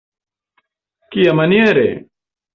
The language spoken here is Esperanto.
Kiamaniere?